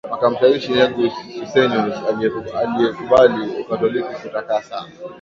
Wakamshawishi Negus Sussenyos aliyekubali Ukatoliki kutakasa